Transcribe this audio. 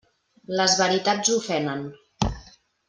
Les veritats ofenen.